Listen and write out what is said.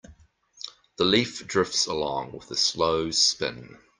The leaf drifts along with a slow spin.